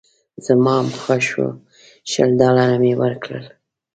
زما هم خوښ شو شل ډالره مې ورکړل.